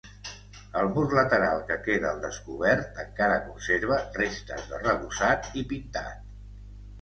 El mur lateral que queda al descobert encara conserva restes d'arrebossat i pintat.